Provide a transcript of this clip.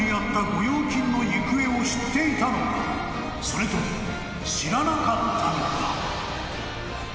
［それとも知らなかったのか？］